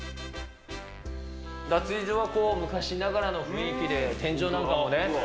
脱衣所は昔ながらの雰囲気で、天井なんかもね。